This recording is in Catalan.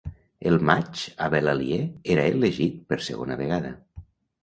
El maig Abel Alier era elegit per segona vegada.